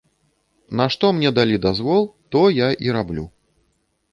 На што мне далі дазвол, то я і раблю.